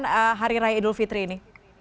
bagaimana pandangan hari raya idul fitri ini